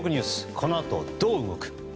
この後どう動く？